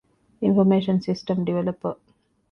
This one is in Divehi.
އިންފޮމޭޝަން ސިސްޓަމް ޑިވެލޮޕަރ